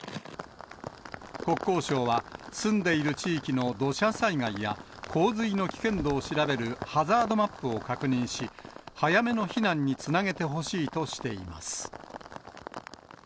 国交省は、住んでいる地域の土砂災害や洪水の危険度を調べるハザードマップを確認し、早めの避難につなげてほしいとしています。